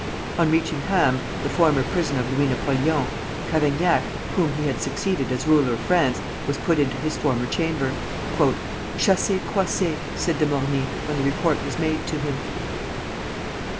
On reaching Ham, the former prison of Louis Napoleon, Cavaignac, whom he had succeeded as ruler of France, was put into his former chamber. "Chassez croissez," said De Morny, when the report was made to him.